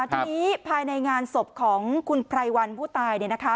ตอนนี้ภายในงานศพของคุณไพรวัลผู้ตาย